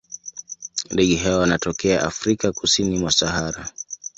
Ndege hawa wanatokea Afrika kusini mwa Sahara.